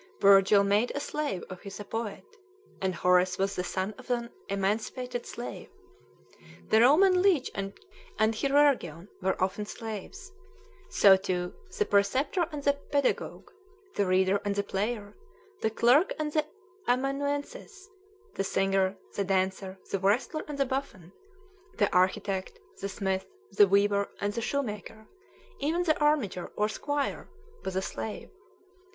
Virgil made a slave of his a poet, and Horace was the son of an emancipated slave. The Roman leech and chirurgeon were often slaves; so, too, the preceptor and the pedagogue, the reader and the player, the clerk and the amanuensis, the singer, the dancer, the wrestler, and the buffoon, the architect, the smith, the weaver, and the shoemaker; even the armiger or squire was a slave.